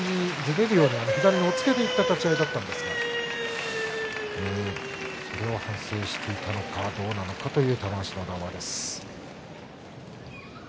左を押っつけていった立ち合いだったんですがそれを反省したのか、どうなのかという玉鷲の談話です。